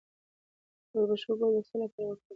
د وربشو ګل د څه لپاره وکاروم؟